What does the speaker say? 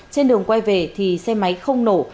trên đường quay về thì xe máy không nổ